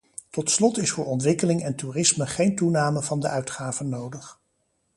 Tot slot is voor ontwikkeling en toerisme geen toename van de uitgaven nodig.